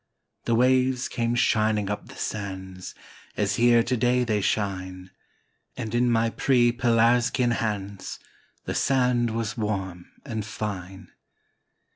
The waves came shining up the sands, As here to day they shine; And in my pre pelasgian hands The sand was warm and fine.